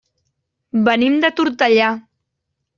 Venim de Tortellà.